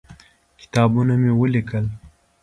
کتابونه مې ولیکل.